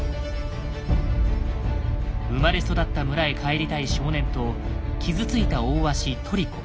生まれ育った村へ帰りたい少年と傷ついた大鷲トリコ。